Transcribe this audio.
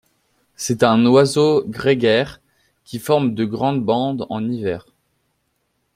C'est un oiseau grégaire, qui forme de grandes bandes en hiver.